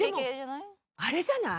でもあれじゃない？